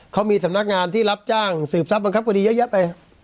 เขามีสำนักงานที่รับจ้างสืบทรัพยบังคับคดีเยอะแยะไป